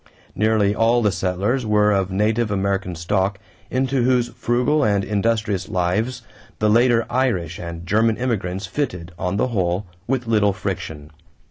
Nearly all the settlers were of native American stock into whose frugal and industrious lives the later Irish and German immigrants fitted, on the whole, with little friction.